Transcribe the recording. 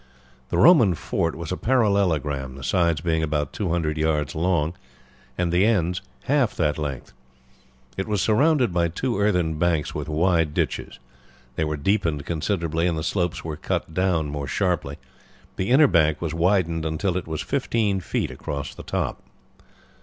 The Roman fort was a parallelogram, the sides being about 200 yards long, and the ends half that length. It was surrounded by two earthen banks with wide ditches. These were deepened considerably, and the slopes were cut down more sharply. The inner bank was widened until it was 15 feet across the top.